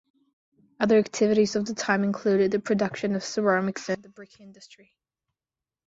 Other activities of the time included the production of ceramics and the brick industry.